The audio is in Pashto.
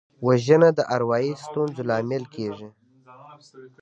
وژنه د اروايي ستونزو لامل کېږي